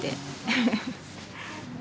フフフ。